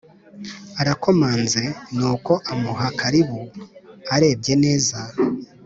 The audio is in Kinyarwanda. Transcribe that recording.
arakomanze nuko amuha karibu arebye neza